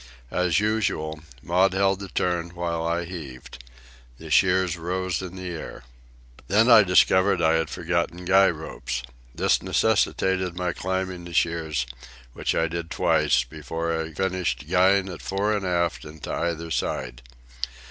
As usual, Maud held the turn while I heaved. The shears rose in the air. Then I discovered I had forgotten guy ropes. This necessitated my climbing the shears, which I did twice, before I finished guying it fore and aft and to either side.